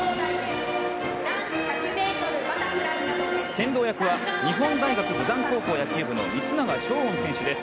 先導役は日本大学豊山高校野球部の光永翔音選手です。